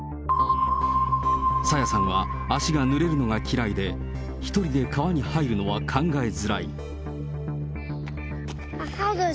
朝芽さんは足がぬれるのが嫌いで、１人で川に入るのは考えづらい。